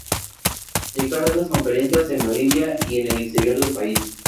Dictó varias conferencias en Bolivia y en el exterior del país.